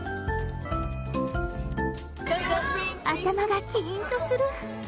頭がきーんとする。